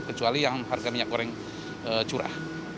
kecuali yang harga minyak goreng curah